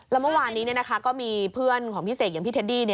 แล้วเมื่อวานนี้ก็มีเพื่อนของพี่เสกอย่างพี่เทดดี้